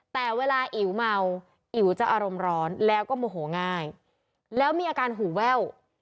แต่เวลาอิ๋วเมาอิ๋วจะอารมณ์ร้อนแล้วก็โมโหง่ายแล้วมีอาการหูแว่ว